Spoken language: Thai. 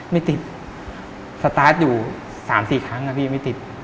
ไม่ติดสตาร์ทอยู่๓๔ครั้งนะพี่ไม่ติด